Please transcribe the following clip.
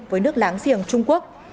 với nước láng giềng trung quốc